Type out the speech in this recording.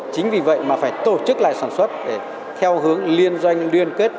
chính vì vậy mà phải tổ chức lại sản xuất để theo hướng liên doanh liên kết